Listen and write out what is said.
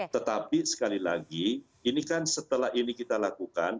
tetapi sekali lagi ini kan setelah ini kita lakukan